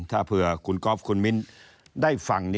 ถ้าเผื่อคุณก๊อฟคุณมิ้นได้ฟัง